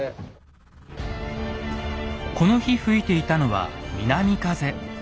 この日吹いていたのは南風。